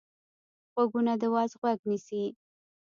غوږونه د وعظ غوږ نیسي